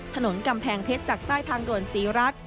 ถนนกำแพงเพชรจากใต้ทางด่วนศรีรัฐ